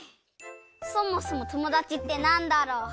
そもそもともだちってなんだろう？